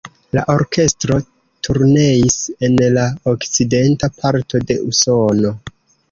La orkestro turneis en la okcidenta parto de Usono.